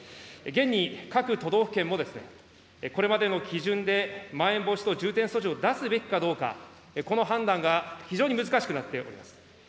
現に各都道府県も、これまでの基準でまん延防止等重点措置を出すべきかどうか、この判断が非常に難しくなっております。